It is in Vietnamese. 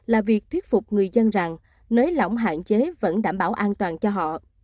là việc thuyết phục người dân rằng nới lỏng hạn chế vẫn đảm bảo an toàn cho họ